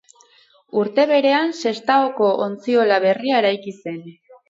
Urte berean, Sestaoko ontziola berria eraiki zen.